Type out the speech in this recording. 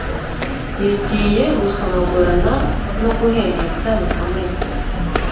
Yagiye gusomagurana no guheheta bikomeye